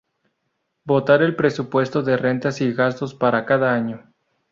Votar el presupuesto de rentas y gastos para cada año.